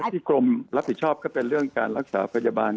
กรมรับผิดชอบก็เป็นเรื่องการรักษาพยาบาล